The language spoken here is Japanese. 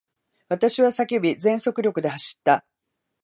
私は叫び、全速力で走った。